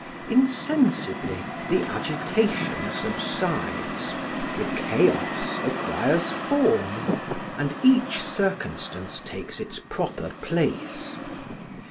Insensibly the agitation subsides, the chaos acquires form, and each circumstance takes its proper place.